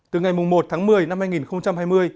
từ ngày một tháng một mươi năm hai nghìn hai mươi